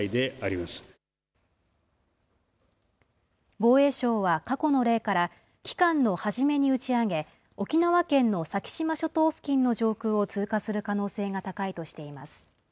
防衛省は過去の例から期間の初めに打ち上げ、沖縄県の先島諸島付近の上空を通過する可能性が高いとしています。